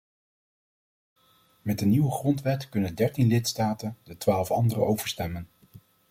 Met de nieuwe grondwet kunnen dertien lidstaten de twaalf andere overstemmen.